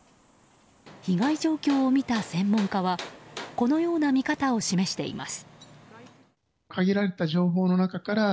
被害状況を見た専門家はこのような見方を示しています。